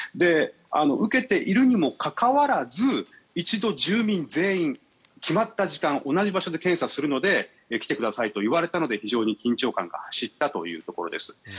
受けているにもかかわらず一度住民全員、決まった時間同じ場所で検査するので来てくださいと言われたので非常に緊張感が走ったというところです。